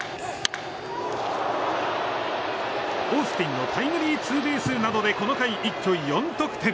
オースティンのタイムリーツーベースなどでこの回、一挙４得点。